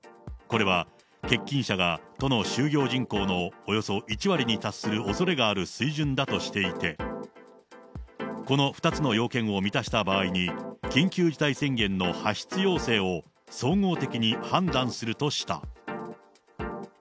これは欠勤者が都の就業人口のおよそ１割に達するおそれがある水準だとしていて、この２つの要件を満たした場合に、緊急事態宣言の発出要請を、総合的に判断するとした。